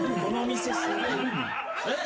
えっ？